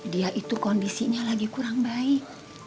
dia itu kondisinya lagi kurang baik